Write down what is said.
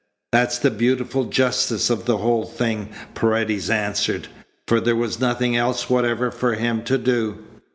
"That's the beautiful justice of the whole thing," Paredes answered, "for there was nothing else whatever for him to do.